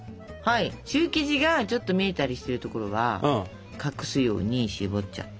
シュー生地がちょっと見えたりしてるところは隠すようにしぼっちゃって。